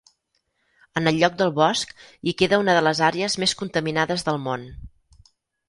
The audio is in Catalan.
En el lloc del bosc hi queda una de les àrees més contaminades del món.